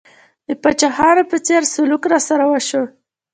د پاچاهانو په څېر سلوک راسره وشو.